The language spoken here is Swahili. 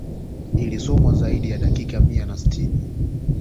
Ilisomwa zaidi ya dakika mia na sitini